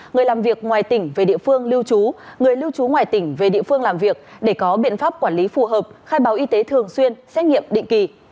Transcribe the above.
người làm việc ngoài tỉnh về địa phương lưu trú người lưu trú ngoài tỉnh về địa phương làm việc để có biện pháp quản lý phù hợp khai báo y tế thường xuyên xét nghiệm định kỳ